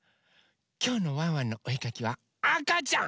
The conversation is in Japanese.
きょうの「ワンワンのおえかき」はあかちゃん！